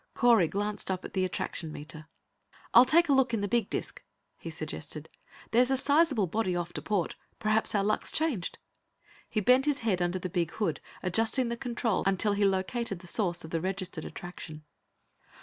Correy glanced up at the attraction meter. "I'll take a look in the big disc," he suggested. "There's a sizeable body off to port. Perhaps our luck's changed." He bent his head under the big hood, adjusting the controls until he located the source of the registered attraction.